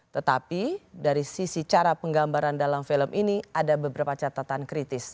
tetapi dari sisi cara penggambaran dalam film ini ada beberapa catatan kritis